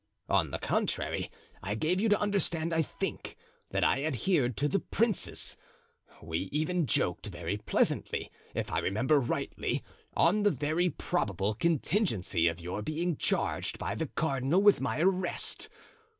On the contrary, I gave you to understand, I think, that I adhered to the princes. We even joked very pleasantly, if I remember rightly, on the very probable contingency of your being charged by the cardinal with my arrest.